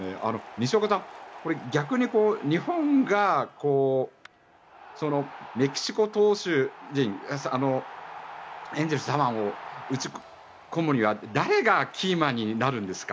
西岡さん、逆に日本がメキシコ投手陣エンゼルスの左腕を打ち込むには誰がキーマンになるんですか。